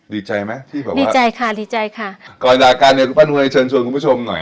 ดีใจไหมที่บอกว่าดีใจค่ะดีใจค่ะก่อนจากกันเนี่ยคุณป้านวยเชิญชวนคุณผู้ชมหน่อย